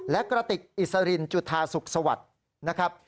และกระติกอิสรินจุธาสุขสวัสดิ์นะครับ